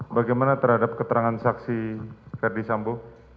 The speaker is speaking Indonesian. bagaimana terhadap keterangan saksi ferdi sambo